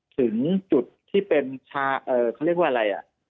ถึงจุดที่เป็นชาวเออเขาเรียกว่าอะไรอ่ะ